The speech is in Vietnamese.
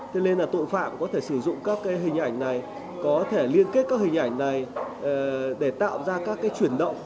thế nên là tội phạm có thể sử dụng các hình ảnh này có thể liên kết các hình ảnh này để tạo ra các cái chuyển động